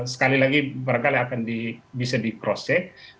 sekali lagi mereka bisa di crosscheck